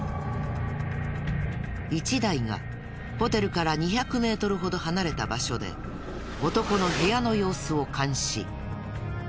１台がホテルから２００メートルほど離れた場所で男の部屋の様子を監視。